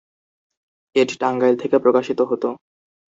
এটি টাঙ্গাইল থেকে প্রকাশিত হতো।